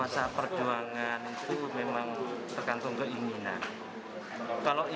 sangat bahagia sekali